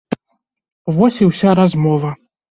Вось і ўся размова.